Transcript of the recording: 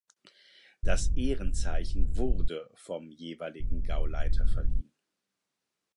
Das Ehrenzeichen wurden vom jeweiligen Gauleiter verliehen.